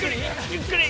ゆっくり！